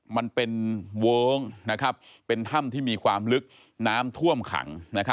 มันเป็นเวิ้งเป็นถ้ำที่มีความลึกน้ำท่วมขัง